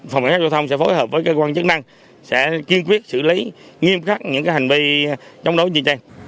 phòng cảnh sát giao thông sẽ phối hợp với cơ quan chức năng sẽ kiên quyết xử lý nghiêm khắc những hành vi chống đối như trên